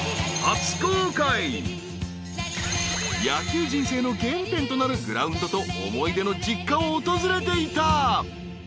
［野球人生の原点となるグラウンドと思い出の実家を訪れていた］